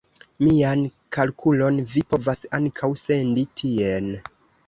Mian kalkulon vi povas ankaŭ sendi tien.